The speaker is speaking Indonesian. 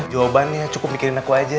jawabannya cukup mikirin aku aja